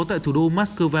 tại thủ đô moscow